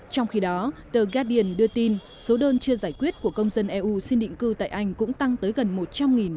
trong khi đó tờ gudian đưa tin số đơn chưa giải quyết của công dân eu xin định cư tại anh cũng tăng tới gần một trăm linh